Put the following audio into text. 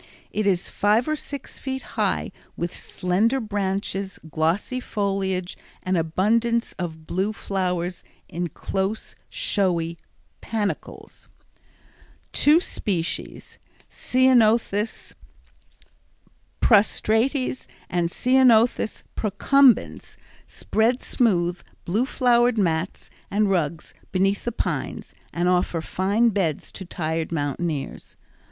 It is five or six feet high with slender branches, glossy foliage, and abundance of blue flowers in close, showy panicles. Two species, C. prostrates and C. procumbens, spread smooth, blue flowered mats and rugs beneath the pines, and offer fine beds to tired mountaineers.